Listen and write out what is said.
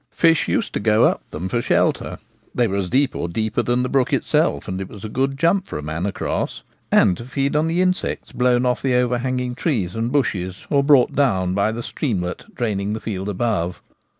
Fish used to go up them for shelter (they were as deep or deeper than the brook itself, and it was a good jump for a man across) and to feed on the insects blown off the overhanging trees and bushes or brought down by the streamlet drain ing the field above.